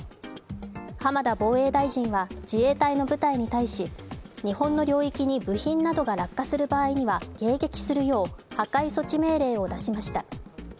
浜田防衛大臣は、自衛隊の部隊に対し、日本の領域に部品などが落下する場合には迎撃するよう破壊措置命令を出しました。